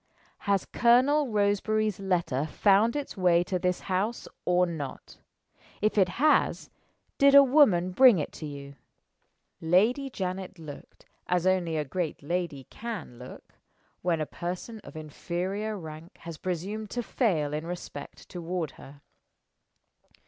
Has Colonel Roseberry's letter found its way to this house or not? If it has, did a woman bring it to you?" Lady Janet looked as only a great lady can look, when a person of inferior rank has presumed to fail in respect toward her.